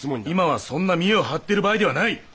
今はそんな見えを張ってる場合ではない。